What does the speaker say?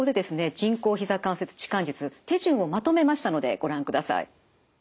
人工ひざ関節置換術手順をまとめましたのでご覧ください。